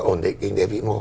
cái ổn định kinh tế vĩ mô